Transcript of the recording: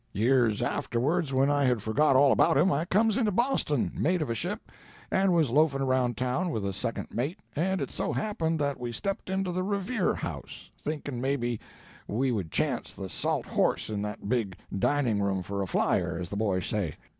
Years afterwards, when I had forgot all about him, I comes into Boston, mate of a ship, and was loafing around town with the second mate, and it so happened that we stepped into the Revere House, thinking maybe we would chance the salt horse in that big diningroom for a flyer, as the boys say.